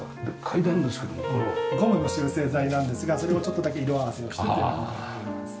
ゴムの集成材なんですがそれをちょっとだけ色合わせをしてというものになっております。